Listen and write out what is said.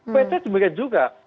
k demikian juga